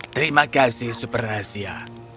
terima kasih super asia